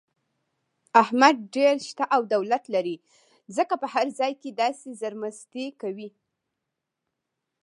احمد ډېر شته او دولت لري، ځکه په هر ځای کې داسې زرمستي کوي.